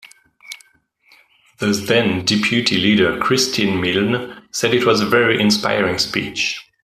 The then deputy leader Christine Milne said it was "a very inspiring speech".